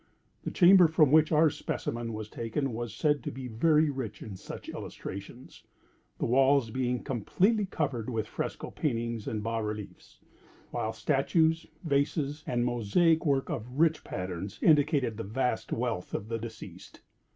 The chamber from which our specimen was taken, was said to be very rich in such illustrations—the walls being completely covered with fresco paintings and bas reliefs, while statues, vases, and Mosaic work of rich patterns, indicated the vast wealth of the deceased.